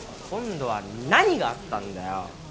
今度は何があったんだよ？